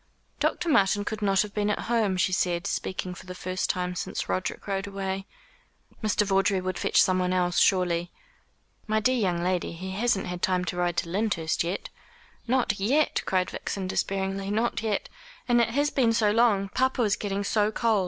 "Dr. Martin could not have been at home," she said, speaking for the first time since Roderick rode away. "Mr. Vawdrey would fetch someone else, surely." "My dear young lady, he hasn't had time to ride to Lyndhurst yet." "Not yet," cried Vixen despairingly, "not yet! And it has been so long. Papa is getting so cold.